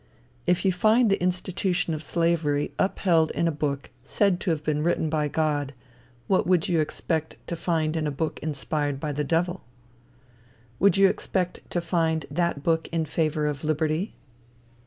If you find the institution of slavery upheld in a book said to have been written by God, what would you expect to find in a book inspired by the devil? Would you expect to find that book in favor of liberty?